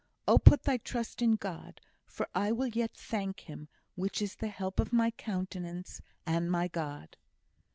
O put thy trust in God: for I will yet thank him, which is the help of my countenance, and my God.